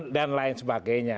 dan lain sebagainya